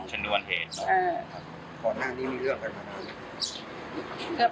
เฉยนวนเหตุนะครับขนาดนี้มีเรื่องอะไรบ้างครับ